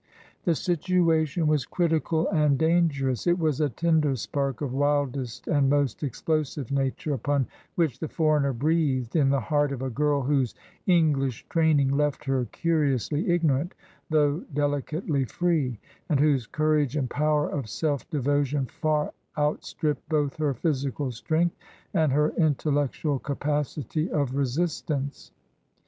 The situation was critical and dangerous ; it was a tinder spark of wildest and most explosive nature upon which the foreigner breathed, in the heart of a girl whose English training left her curiously ignorant, though deli cately free, and whose courage and power of self devo tion far^outstripped both her physical strength and her intellectual capacity of resistance.